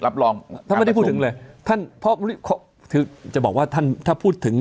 รับรองท่านไม่ได้พูดถึงเลยท่านเพราะคือจะบอกว่าท่านถ้าพูดถึง